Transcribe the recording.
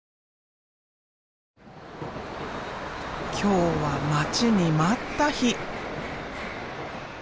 今日は待ちに待った日。